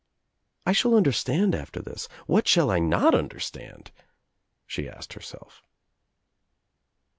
"I shall understand after this, what shall I not understand?" she asked herself.